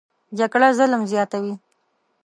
جګړه ظلم زیاتوي